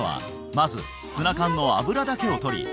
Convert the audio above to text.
まずツナ缶の油だけを取り